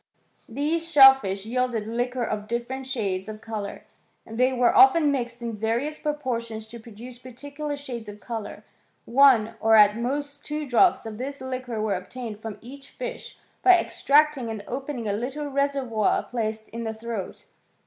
These shellfish yielded liquor of different shades of colour ; they were often mixed in various proportions to produce particular shades of colour. One, or at most two drops of this liquor were obtained from each fish^ by extracting and opening a little reservoir placed in the throat.